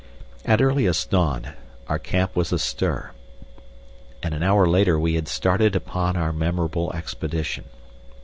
At earliest dawn our camp was astir and an hour later we had started upon our memorable expedition.